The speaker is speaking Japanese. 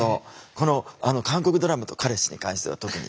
この韓国ドラマと彼氏に関しては特に。